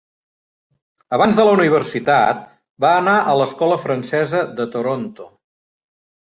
Abans de la universitat, va anar a l'escola francesa de Toronto.